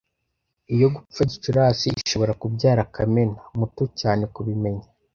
Iyo gupfa Gicurasi ishobora kubyara Kamena, muto cyane kubimenya